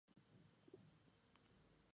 El trofeo pesa aproximadamente cinco kilos.